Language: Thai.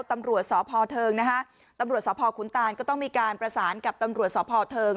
ตำรวจสพเทิงนะฮะตำรวจสพขุนตานก็ต้องมีการประสานกับตำรวจสพเทิง